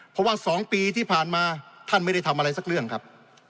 เพราะว่า๒ปีที่ผ่านมาท่านไม่ได้ทำอะไรสักเรื่องครับ